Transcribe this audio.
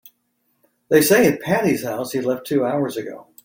They say at Patti's house he left two hours ago.